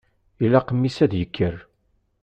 Ilaq mmi-s ad d-yekker.